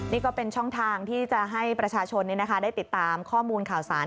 นี่ก็เป็นช่องทางที่จะให้ประชาชนได้ติดตามข้อมูลข่าวสาร